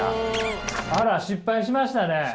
あら失敗しましたね。